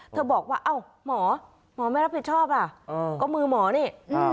บอกว่าเอ้าหมอหมอไม่รับผิดชอบล่ะก็มือหมอนี่